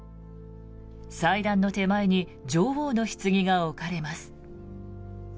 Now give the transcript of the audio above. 祭壇の手前に女王のひつぎが置かれます。